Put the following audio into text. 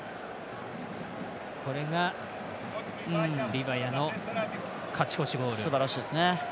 リバヤの勝ち越しゴール。